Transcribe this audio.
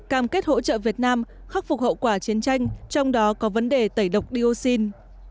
cam kết hỗ trợ việt nam khắc phục hậu quả chiến tranh trong đó có vấn đề tẩy độc dioxin